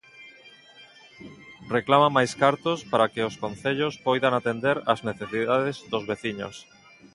Reclama máis cartos para que os concellos poidan atender as necesidades dos veciños.